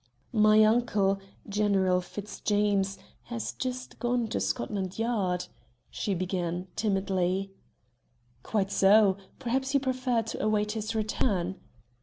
"My uncle, General Fitzjames, has just gone to Scotland Yard," she began, timidly. "Quite so. Perhaps you prefer to await his return?"